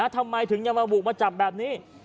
ทำไมถึงยังมาบุกมาจับแบบนี้